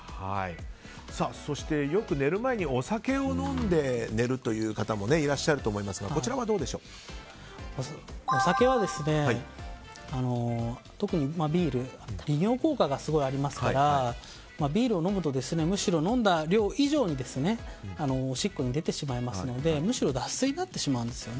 そして、よく寝る前にお酒を飲んで寝るという方もいらっしゃると思いますがお酒は特にビール利尿効果がすごいありますからビールを飲むとむしろ飲んだ量以上におしっこに出てしまいますのでむしろ脱水になってしまうんです。